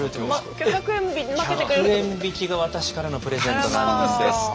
１００円引きが私からのプレゼントなんですけれども。